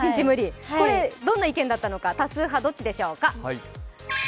どんな意見だったのか、多数派、どっちでしょうか。